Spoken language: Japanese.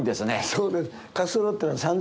そうです。